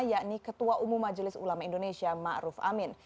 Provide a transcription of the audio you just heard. yakni ketua umum majelis ulama indonesia ma'ruf amin